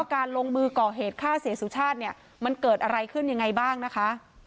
การลงมือก่อเหตุฆ่าเสียสุชาติเนี่ยมันเกิดอะไรขึ้นยังไงบ้างนะคะ